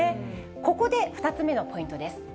ここで２つ目のポイントです。